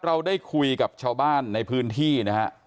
เราได้คุยกับชาวบ้านในพื้นที่นะฮะ